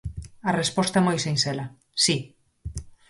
A resposta é moi sinxela: ¡si!